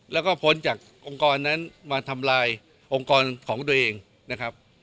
แล้วก็พ้นจากองค์กรนั้นมาทำลายองค์กรของตัวเองนะครับ